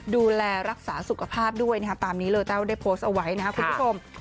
ดูแลรักษาสุขภาพด้วยนะครับตามนี้เลยแต้วได้โพสต์เอาไว้นะครับคุณผู้ชม